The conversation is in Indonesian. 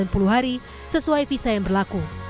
dan sepuluh hari sesuai visa yang berlaku